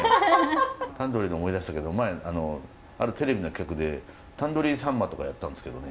タンドリーで思い出したけど前あるテレビの企画でタンドリー秋刀魚とかやったんですけどね。